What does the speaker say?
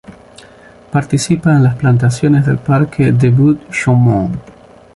Participa en las plantaciones del parque des Buttes-Chaumont.